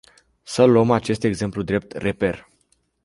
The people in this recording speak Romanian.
Să luăm acest exemplu drept reper.